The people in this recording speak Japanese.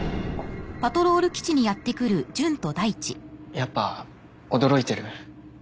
やっぱ驚いてる？